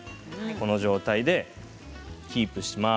この状態でキープします。